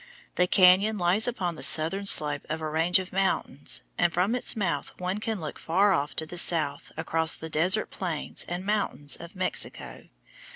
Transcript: The cañon lies upon the southern slope of a range of mountains, and from its mouth one can look far off to the south across the desert plains and mountains of Mexico.